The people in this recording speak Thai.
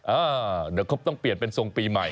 อ่าเดี๋ยวครบต้องเปลี่ยนเป็นทรงปีใหม่